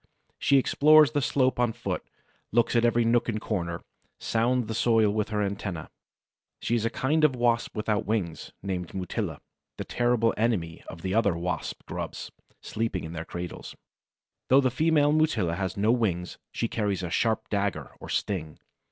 She explores the slope on foot, looks at every nook and corner, sounds the soil with her antennæ. She is a kind of Wasp without wings, named Mutilla, the terrible enemy of the other Wasp grubs sleeping in their cradles. Though the female Mutilla has no wings, she carries a sharp dagger, or sting.